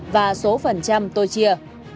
và số phần trăm tôi chia